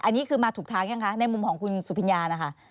อันนี้คือมาถูกทางยังคะในมุมของคุณสุพิญญานะคะ